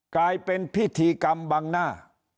กลายเป็นพิธีกรรมบังหน้า